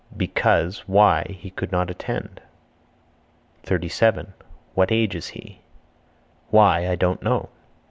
Because (why) he could not attend. 37. What age is he? (Why) I don't know.